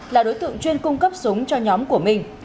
là đối tượng chuyên cung cấp súng cho nhóm của mình